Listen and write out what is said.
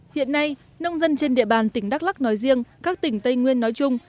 hiện nay nông dân trên địa bàn tỉnh đắk lắc nói riêng các tỉnh tây nguyên nói chung